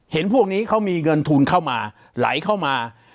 พวกนี้เขามีเงินทุนเข้ามาไหลเข้ามา